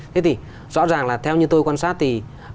thế thì rõ ràng là theo như tôi quan sát thì